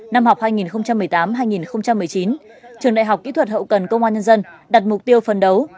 năm học hai nghìn một mươi tám hai nghìn một mươi chín trường đại học kỹ thuật hậu cần công an nhân dân đặt mục tiêu phần đấu